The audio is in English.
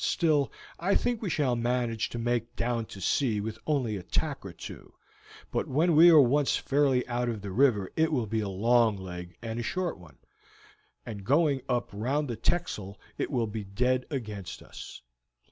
Still, I think we shall manage to make down to sea with only a tack or two, but when we are once fairly out of the river it will be a long leg and a short one, and going up round the Texel it will be dead against us.